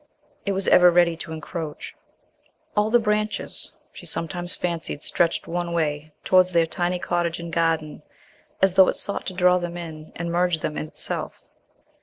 It was ever ready to encroach. All the branches, she sometimes fancied, stretched one way towards their tiny cottage and garden, as though it sought to draw them in and merge them in itself.